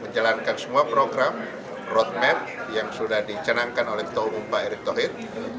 menjalankan semua program roadmap yang sudah ditenangkan oleh tau bumpa erick thohit